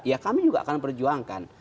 ya kami juga akan perjuangkan